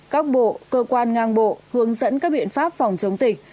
các bộ cơ quan ngang bộ hướng dẫn các biện pháp phòng chống dịch